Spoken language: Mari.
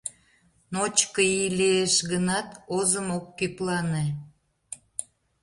Ночко ий лиеш гынат, озым ок кӱплане.